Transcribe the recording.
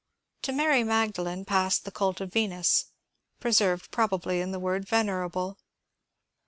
To Mary Magdalene passed the cult of Venus, pre served probably in the word venerable.